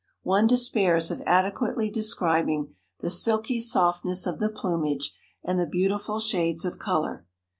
One despairs of adequately describing the silky softness of the plumage and the beautiful shades of color.